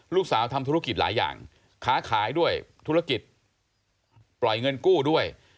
ทำธุรกิจหลายอย่างค้าขายด้วยธุรกิจปล่อยเงินกู้ด้วย